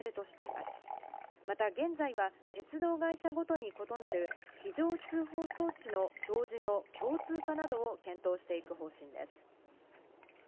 また現在は、鉄道会社ごとに異なる非常通報装置の表示の共通化などを検討していく方針です。